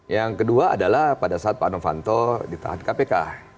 yang kedua adalah pada saat pak novanto ditahan kpk